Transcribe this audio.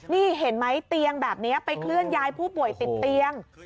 นี่เห็นไหมเตียงแบบนี้ไปเคลื่อนย้ายผู้ป่วยติดเตียง